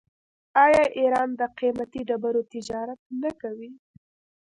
آیا ایران د قیمتي ډبرو تجارت نه کوي؟